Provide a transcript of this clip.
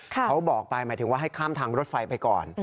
เขาบอกไปหมายถึงว่าให้ข้ามทางรถไฟไปก่อน